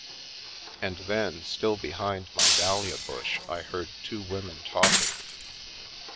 And then, still behind my dahlia bush, I heard two women talking.